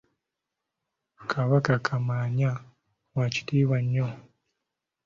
Kabaka Kamaanya wa kitiibwa nnyo.